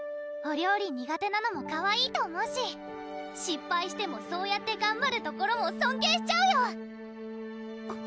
お料理苦手なのもかわいいと思うし失敗してもそうやってがんばるところも尊敬しちゃうよ！